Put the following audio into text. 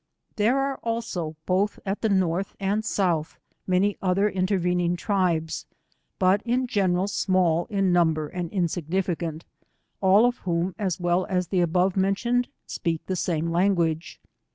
There are also both at the North and South many other intervening tribes, but in general small in number and insignificant, all of whom as well aa the above mentioned speak the sarae 94 ■■ language.